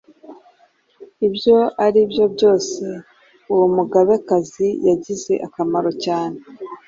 Ibyo ari byo byose, uwo Mugabekazi yagize akamaro cyane,